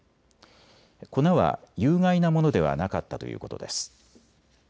粉は有害なものではなかったということです。